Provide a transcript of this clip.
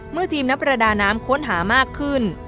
เมื่อทีมนับรดาน้ำค้นหามากขึ้น